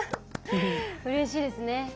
うれしいですね。